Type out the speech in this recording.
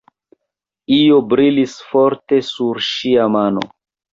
Io brilis forte sur ŝia mano.